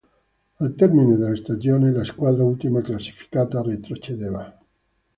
Al termine della stagione la squadra ultima classificata retrocedeva.